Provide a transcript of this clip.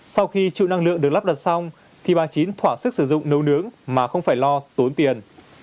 sau khi chịu năng lượng được lắp đặt xong thì bà chín thỏa sức sử dụng nấu nướng mà không phải lo tốn tiền